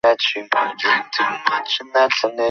তিনি ছিলেন সমিতির সহকারী সম্পাদক।